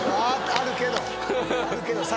あるけど。